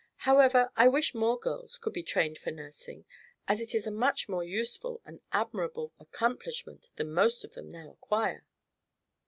However, I wish more girls could be trained for nursing, as it is a more useful and admirable accomplishment than most of them now acquire."